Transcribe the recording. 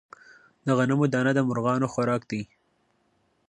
د غنمو دانه د مرغانو خوراک دی.